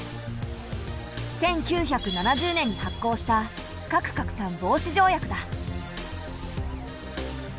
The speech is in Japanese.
１９７０年に発効した核拡散防止条約だ。